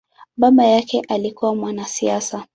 Baba yake alikua mwanasiasa.